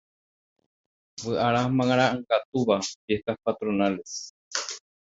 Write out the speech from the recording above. Vyʼarã marangatúva fiestas patronales.